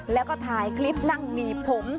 แล้วก็ถ่ายคลิปนั่งบีบผม